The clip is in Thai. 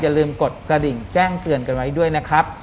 อย่าลืมกดกระดิ่งแจ้งเตือนกันไว้ด้วยนะครับ